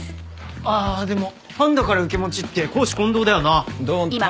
ああでもファンだから受け持ちって公私混同だよな。